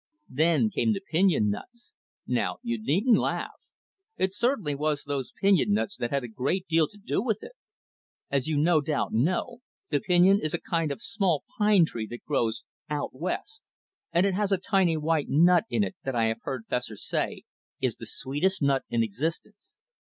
Then came the pinion nuts. Now, you needn't laugh! It certainly was those pinion nuts that had a great deal to do with it. As you no doubt know, the pinion is a kind of small pine tree that grows "Out West," and it has a tiny white nut in it that I have heard Fessor say is "the sweetest nut in existence."